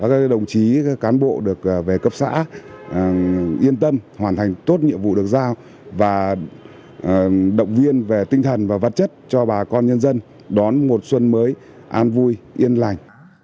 các đồng chí cán bộ được về cấp xã yên tâm hoàn thành tốt nhiệm vụ được giao và động viên về tinh thần và vật chất cho bà con nhân dân đón một xuân mới an vui yên lành